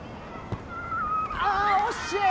ああ惜しい！